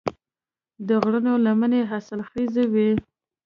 د غرونو لمنې حاصلخیزې وي.